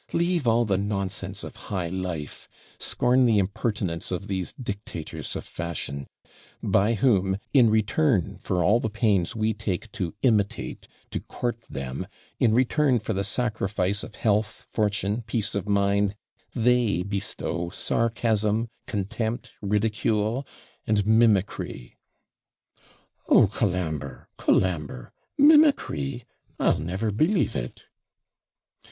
leave all the nonsense of high life scorn the impertinence of these dictators of fashion, by whom, in return for all the pains we take to imitate, to court them in return for the sacrifice of health, fortune, peace of mind, they bestow sarcasm, contempt, ridicule, and mimickry!' 'Oh, Colambre! Colambre! mimickry I'll never believe it.'